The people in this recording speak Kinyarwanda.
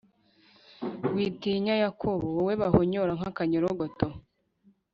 Witinya Yakobo, wowe bahonyora nk’akanyorogoto,